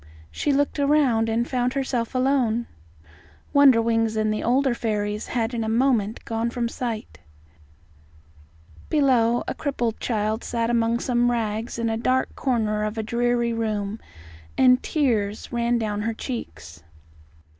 She looked around, and found herself alone. Wonderwings and the older fairies had in a moment gone from sight. Below, a crippled child sat among rags in a dark corner of a dreary room, and tears ran down her cheeks.